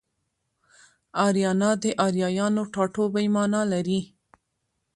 اریانا د اریایانو ټاټوبی مانا لري